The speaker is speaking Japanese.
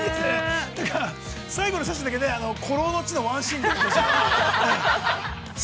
◆というか、最後の写真だけ、「孤狼の血」のワンシーンで。